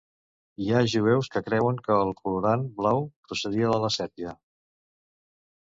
Hi ha jueus que creuen que el colorant blau procedia de la sèpia.